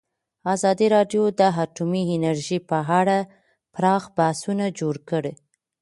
ازادي راډیو د اټومي انرژي په اړه پراخ بحثونه جوړ کړي.